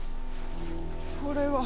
これは！